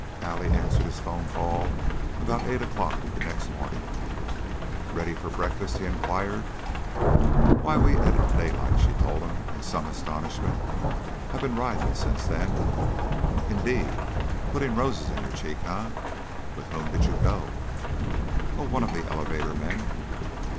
Allie answered his phone call about eight o'clock the next morning. "Ready for breakfast?" he inquired. "Why, we et at daylight," she told him, in some astonishment. "I been ridin' since then." "Indeed! Putting roses in your cheeks, eh? With whom did you go?" "Oh, one of the elevator men."